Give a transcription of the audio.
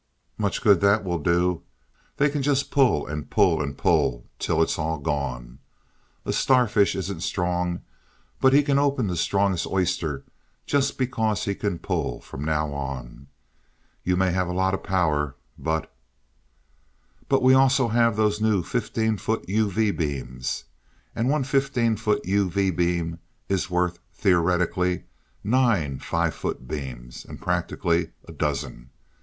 '" "Much good that will do they can just pull and pull and pull till it's all gone. A starfish isn't strong, but he can open the strongest oyster just because he can pull from now on. You may have a lot of power but." "But we also have those new fifteen foot UV beams. And one fifteen foot UV beam is worth, theoretically, nine five foot beams, and practically, a dozen.